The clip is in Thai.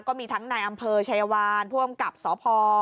ก็มีทั้งนายอำเภอชายวานผู้อำกับสพ